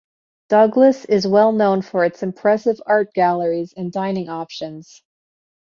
Douglas is well known for its impressive art galleries and dining options.